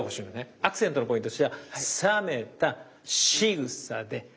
アクセントのポイントとしては「覚めたしぐさで『熱く』見ろ」。